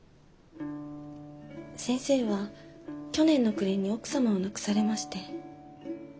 先生は去年の暮れに奥様を亡くされまして。